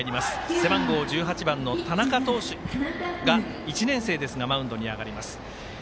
背番号１８番の田中投手１年生ですが、マウンドに上がります。